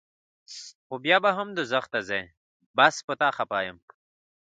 خو بیا به هم دوزخ ته ځې بس پۀ تا خفه يم